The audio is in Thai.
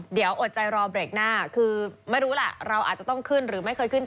เดี๋ยวอดใจรอเบรกหน้าคือไม่รู้ล่ะเราอาจจะต้องขึ้นหรือไม่เคยขึ้น